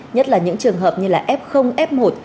nhất là những trường hợp như f f một